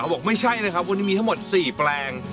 บอกไม่ใช่นะครับวันนี้มีทั้งหมด๔แปลง